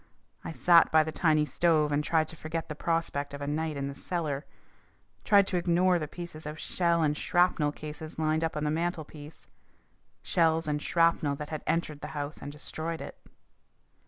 I sat by the tiny stove and tried to forget the prospect of a night in the cellar, tried to ignore the pieces of shell and shrapnel cases lined up on the mantelpiece, shells and shrapnel that had entered the house and destroyed it.